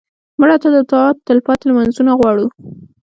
مړه ته د دعا تلپاتې لمونځونه غواړو